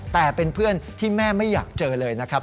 แต่เป็นเพื่อนที่แม่ไม่อยากเจอเลยนะครับ